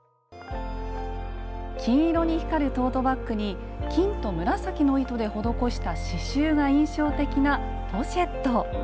金色に光るトートバッグに金と紫の糸で施した刺しゅうが印象的なポシェット。